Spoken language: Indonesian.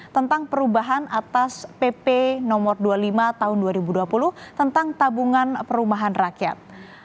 tentang perubahan atas pp no dua puluh lima tahun dua ribu dua puluh tentang tabungan perumahan rakyat